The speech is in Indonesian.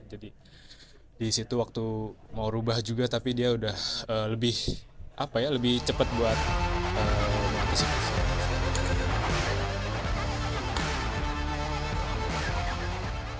jadi di situ waktu mau rubah juga tapi dia udah lebih apa ya lebih cepat buat mengakhiri